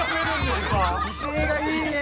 ⁉威勢がいいねぇ！